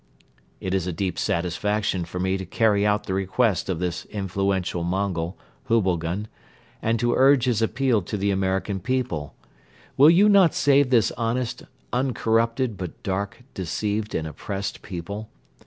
It is a deep satisfaction for me to carry out the request of this influential Mongol, Hubilgan, and to urge his appeal to the American people. Will you not save this honest, uncorrupted but dark, deceived and oppressed people?